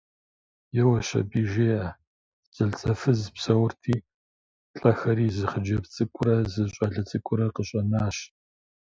Еуэщ аби, жеӏэ: зэлӏзэфыз псэурти, лӏэхэри зы хъыджэбз цӏыкӏурэ зы щӏалэ цӏыкӏурэ къащӏэнащ.